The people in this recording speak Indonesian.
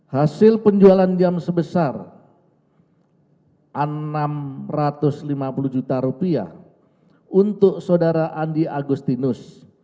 hasil penjualan jam sebesar rp enam ratus lima puluh juta untuk saudara andi agustinus